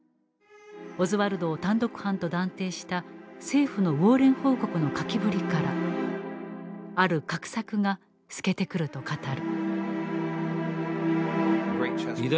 オズワルドを単独犯と断定した政府の「ウォーレン報告」の書きぶりからある画策が透けてくると語る。